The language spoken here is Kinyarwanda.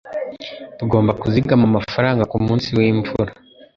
Tugomba kuzigama amafaranga kumunsi wimvura.